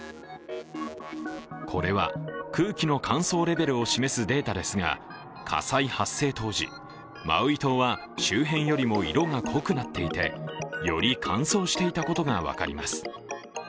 これは、空気の乾燥レベルを示すデータですが火災発生当時、マウイ島は周辺よりも色が濃くなっていて、より乾燥していたことが分かります。